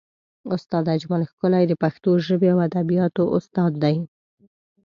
استاد اجمل ښکلی د پښتو ژبې او ادبیاتو استاد دی.